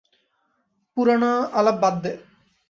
পুরানো আলাপ বাদ দে।